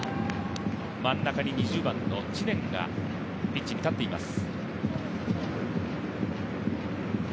真ん中に２０番の知念がピッチに立っています。